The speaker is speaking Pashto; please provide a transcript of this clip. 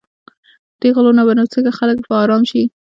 دې غلو نه به نو څنګه خلک په آرام شي.